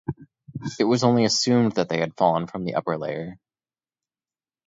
It was only assumed that they had fallen from the upper layer.